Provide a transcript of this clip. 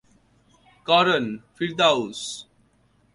Karan, Firdous.